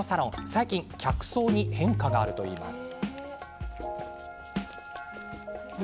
最近客層に変化があるといいます。